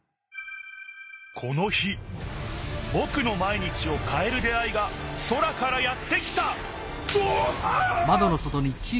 この日ぼくの毎日をかえる出会いが空からやって来たおおっああ！